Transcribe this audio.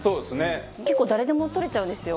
松本：結構誰でも取れちゃうんですよ。